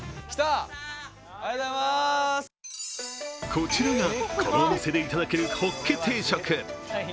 こちらが、この店でいただけるほっけ定食。